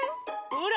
ほら！